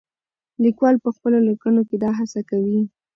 لیکوال په خپلو لیکنو کې دا هڅه کوي.